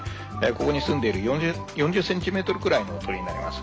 ここに住んでいる４０ｃｍくらいの鳥になります。